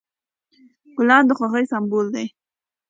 ګلان د خوښۍ سمبول دي.